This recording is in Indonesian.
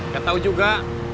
kau tahu juga